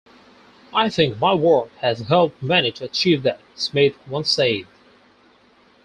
I think my work has helped many to achieve that, Smith once said.